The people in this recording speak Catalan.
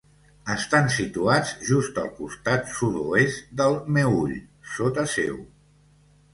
Estan situats just al costat sud-oest del Meüll, sota seu.